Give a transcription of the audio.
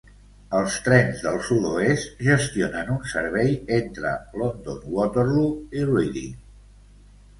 Els Trens del Sud-oest gestionen un servei entre London Waterloo i Reading.